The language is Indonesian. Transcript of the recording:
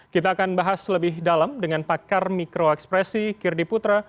kita akan bahas lebih dalam dengan pakar mikro ekspresi kirdi putra